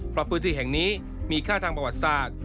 เพราะพื้นที่แห่งนี้มีค่าทางประวัติศาสตร์